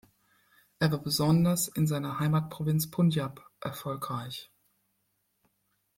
Er war besonders in seiner Heimatprovinz Punjab erfolgreich.